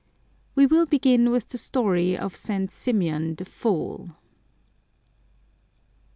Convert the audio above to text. We will begin with the story of St. Symeon the Fool.